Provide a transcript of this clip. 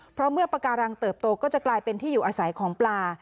เพราะเมื่อปากการังเติบโตก็จะกลายเป็นที่อยู่อาศัยของปลา